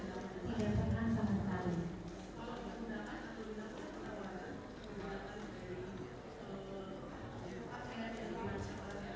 ada semua menantang kata wadilah